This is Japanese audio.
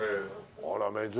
あら珍しいね。